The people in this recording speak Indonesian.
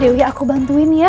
dewi aku bantuin ya